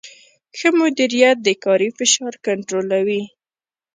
ښه مدیریت د کاري فشار کنټرولوي.